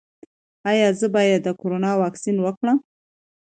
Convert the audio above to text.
ایا زه باید د کرونا واکسین وکړم؟